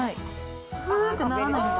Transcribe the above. すーってならないんだ。